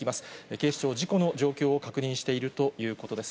警視庁、事故の状況を確認しているということです。